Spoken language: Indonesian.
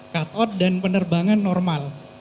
cut out dan penerbangan normal